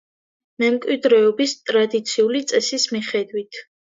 მემკვიდრეობის ტრადიციული წესის მიხედვით.